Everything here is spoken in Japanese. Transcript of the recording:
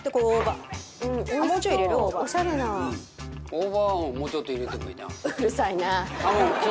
大葉はもうちょっと入れてもいいな。